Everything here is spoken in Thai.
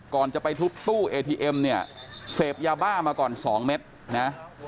ก่อนจะไปทุบตู้เอทีเอ็มเนี่ยเสพยาบ้ามาก่อน๒เม็ดนะ